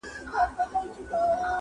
o په دوو بېړيو کي پښې مه ايږده٫